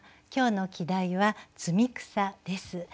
今日の季題は「摘草」です。